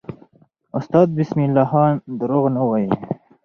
استاد بسم الله خان دروغ نه وایي.